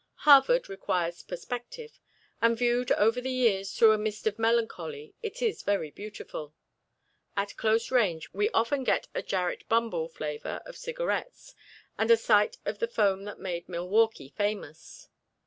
Harvard requires perspective, and viewed over the years through a mist of melancholy it is very beautiful. At close range we often get a Jarrett Bumball flavor of cigarettes and a sight of the foam that made Milwaukee famous.